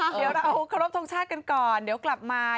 เดี๋ยวเราเคารพทรงชาติกันก่อนเดี๋ยวกลับมา